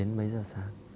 đến mấy giờ sáng